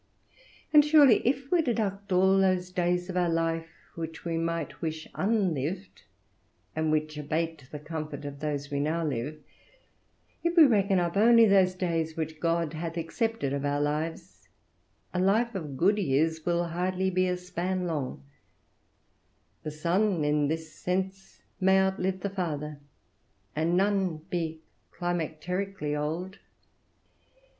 And surely if we deduct all those days of our life which we might wish unlived, and which abate the comfort of those we now live, if we reckon up only those days which God hath accepted of our lives, a life of good years will hardly be a span long; the son in this sense may outlive the father, and none be climacterically old.